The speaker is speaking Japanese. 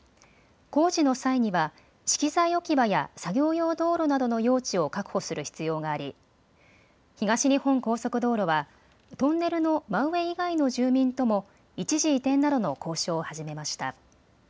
工事の際には資機材置き場や作業用道路などの用地を確保する必要があり東日本高速道路はトンネルの真上以外の住民とも一時移転などの交渉を始めました。